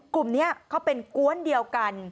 กลุ่มนี้เขาเป็นกวนเดียวกัน